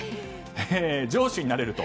城主になれると。